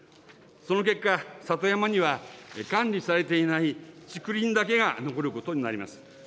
その結果、里山には、管理されていない竹林だけが残ることになります。